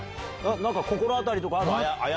なんか心当たりとかある？